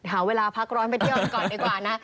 หาเวลาพักร้อนไปเที่ยวกันก่อนดีกว่านะ